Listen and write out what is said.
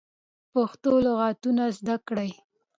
پښتو لغاتونه زده کړی